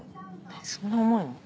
そんな重いの？